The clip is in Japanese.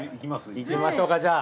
いきましょうかじゃあ。